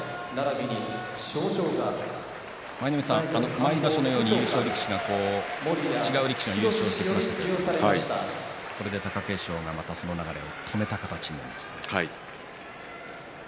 舞の海さん、毎場所のように優勝力士が違う力士の優勝ということが続いていましたが、これで貴景勝がその流れを止めた形になりました。